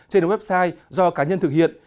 trên website do cá nhân thực hiện